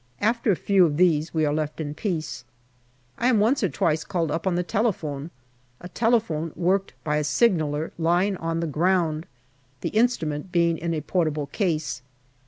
After a few of these we are left in peace. I am once or twice called up on the telephone a telephone worked by a signaller lying on the ground, the instrument being in a portable case.